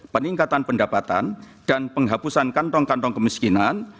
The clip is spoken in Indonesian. peningkatan pendapatan dan penghapusan kantong kantong kemiskinan